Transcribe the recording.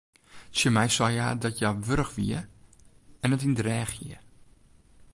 Tsjin my sei hja dat hja wurch wie en it yn de rêch hie.